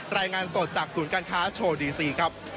รายงานสดจากศูนย์การค้าโชว์ดีซีครับ